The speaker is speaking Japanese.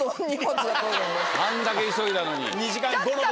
あんだけ急いだのに。